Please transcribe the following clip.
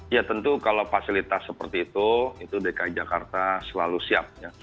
ya tentu kalau fasilitas seperti itu itu dki jakarta selalu siap